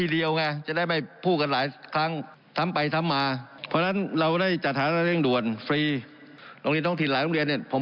เอาล่ะการทำงานวันนี้ผมขออย่างกลับเรียนนะ